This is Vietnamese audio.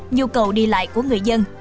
chín nhu cầu đi lại của người dân